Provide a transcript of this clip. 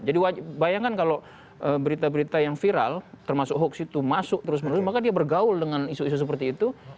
jadi bayangkan kalau berita berita yang viral termasuk hoax itu masuk terus menerus maka dia bergaul dengan isu isu seperti itu